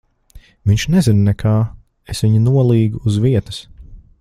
Viņš nezina nekā. Es viņu nolīgu uz vietas.